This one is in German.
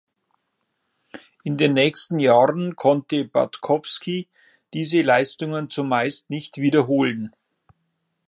In den nächsten Jahren konnte Batkowski diese Leistungen zumeist nicht wiederholen.